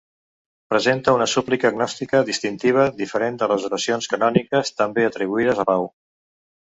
Presenta una súplica gnòstica distintiva, diferent de les oracions canòniques també atribuïdes a Pau.